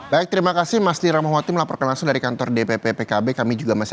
baik terima kasih mas niram waktu melaporkan langsung dari kantor dpp pkb kami juga masih